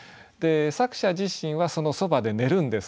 作者自身はそのそばで寝るんです。